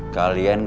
kalian gak kenal